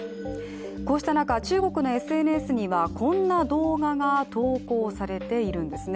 こうした中、中国のＳＮＳにはこんな動画が投稿されているんですね。